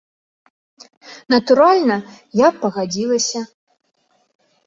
Натуральна, я б пагадзілася.